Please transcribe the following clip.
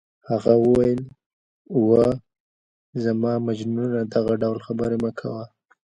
هغې وویل: اوه، زما مجنونه دغه ډول خبرې مه کوه.